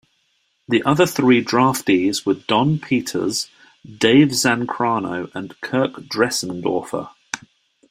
The other three draftees were Don Peters, Dave Zancanaro and Kirk Dressendorfer.